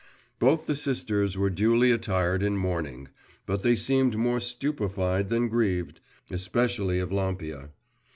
Both the sisters were duly attired in mourning, but they seemed more stupefied than grieved, especially Evlampia.